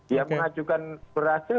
yang mengajukan berhasil ya